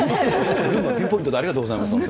群馬ピンポイントでありがとうございます。